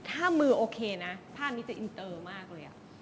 ถ้ามือโอเคนะภาพนี้จะอินเตอร์มากเลย